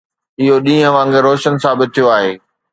اهو ڏينهن وانگر روشن ثابت ٿيو آهي.